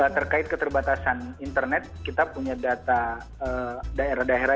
terkait keterbatasan internet kita punya data daerah daerah